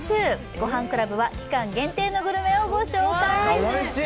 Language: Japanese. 「ごはんクラブ」は期間限定のグルメをご紹介。